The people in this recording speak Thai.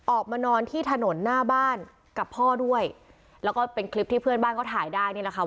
ออกมานอนที่ถนนหน้าบ้านกับพ่อด้วยแล้วก็เป็นคลิปที่เพื่อนบ้านเขาถ่ายได้นี่แหละค่ะ